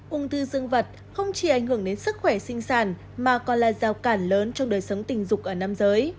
ung thư dương vật không chỉ ảnh hưởng đến sức khỏe sinh sản mà còn là rào cản lớn trong đời sống tình dục ở nam giới